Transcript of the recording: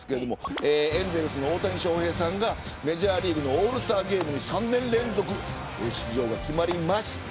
エンゼルスの大谷翔平さんがメジャーリーグのオールスターゲームに３年連続出場が決まりました。